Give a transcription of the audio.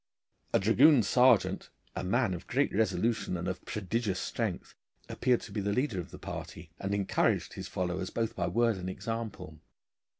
A dragoon sergeant, a man of great resolution and of prodigious strength, appeared to be the leader of the party, and encouraged his followers both by word and example.